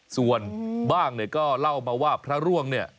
ส่วนบ้างเนี่ยก็เล่ามาว่าพระร่วงเนี่ย